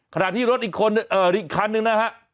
ขณะที่รถอีกคันนึงนะฮะ